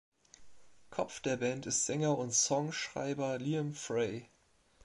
Kopf der Band ist Sänger und Songschreiber Liam Fray.